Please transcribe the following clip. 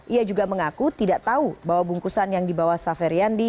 ia juga mengaku tidak tahu bahwa bungkusan yang dibawa saferi yandi